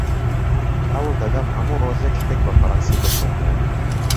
هەوڵ دەدەم هەموو ڕۆژێک شتێک بە فەڕەنسی بخوێنمەوە.